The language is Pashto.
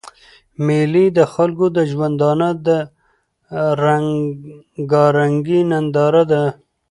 مېلې د خلکو د ژوندانه د رنګارنګۍ ننداره ده.